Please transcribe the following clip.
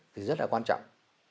thì rất là quan trọng